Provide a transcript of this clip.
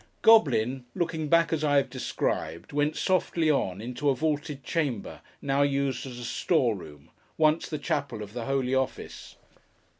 Goblin, looking back as I have described, went softly on, into a vaulted chamber, now used as a store room: once the chapel of the Holy Office.